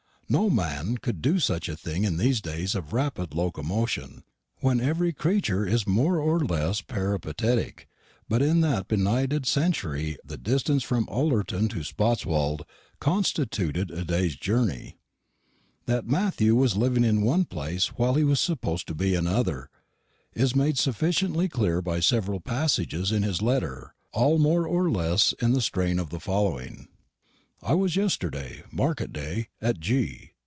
No man could do such a thing in these days of rapid locomotion, when every creature is more or less peripatetic; but in that benighted century the distance from Ullerton to Spotswold constituted a day's journey. That Matthew was living in one place while he was supposed to be in another is made sufficiently clear by several passages in his letters, all more or less in the strain of the following: "I was yesterday markett day at G.